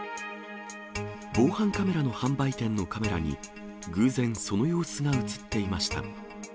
防犯カメラの販売店のカメラに、偶然、その様子が写っていました。